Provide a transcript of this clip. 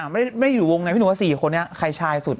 มันไม่อยู่วงในพี่หนูคนแบบ๔คนอะใครชายสุด